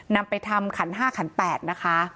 นำไปทำขัน๕ขัน๘นะคะ